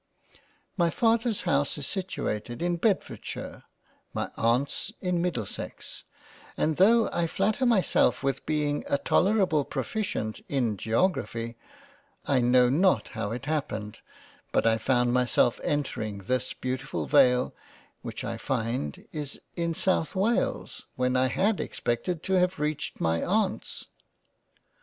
" My Father's house is situated in Bedfordshire, my Aunt's in Middlesex, and tho' I flatter myself with being a tolerable proficient in Geography, I know not how it happened, but I found myself entering this beautifull Vale, which I find is in South Wales, when I had expected to have reached my Aunts."